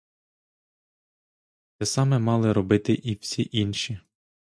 Те саме мали робити і всі інші.